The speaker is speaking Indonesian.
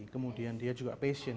kemudian dia juga passion